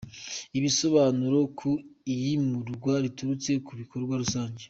Ibisobanuro ku iyimurwa riturutse ku bikorwa rusange….